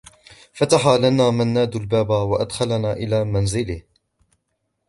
فتح لنا منّاد الباب و أدخلنا إلى منزله.